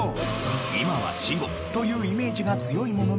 今は死語というイメージが強いものの。